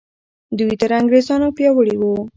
دوی تر انګریزانو پیاوړي وو.